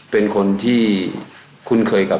เป็นคนที่คุ้นเคยกับ